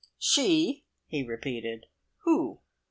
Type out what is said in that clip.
"She?" he repeated. "Who?"